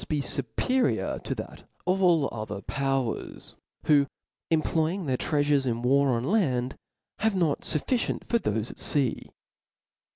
be fu perior to that of all other powers, who employ ing their treafures in wars at land, have not fUffi ' cient for thofe at fea.